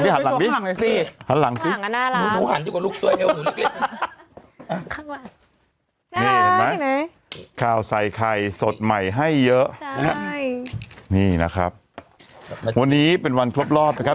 นี่เห็นไหมข้าวใส่ไข่สดใหม่ให้เยอะนะฮะนี่นะครับวันนี้เป็นวันครบรอบนะครับ